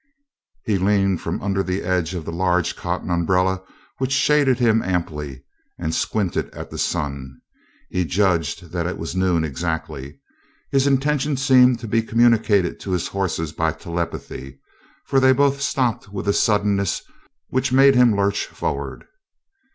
He leaned from under the edge of the large cotton umbrella which shaded him amply, and squinted at the sun. He judged that it was noon exactly. His intention seemed to be communicated to his horses by telepathy, for they both stopped with a suddenness which made him lurch forward.